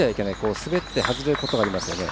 滑って外れることがありますよね。